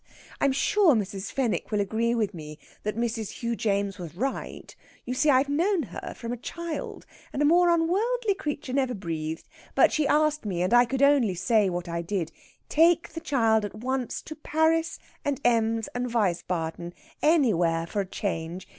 I'm sure Mrs. Fenwick will agree with me that Mrs. Hugh James was right. You see, I've known her from a child, and a more unworldly creature never breathed. But she asked me, and I could only say what I did: 'Take the child at once to Paris and Ems and Wiesbaden anywhere for a change.